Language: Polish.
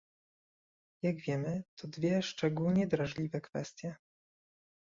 Jak wiemy, to dwie szczególnie drażliwe kwestie